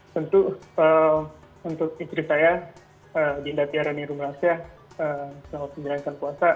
tentu untuk istri saya dinda tiarani rumansyah selamat menjalankan puasa